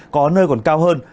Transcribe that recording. có nơi còn cao hơn